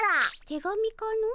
手紙かの？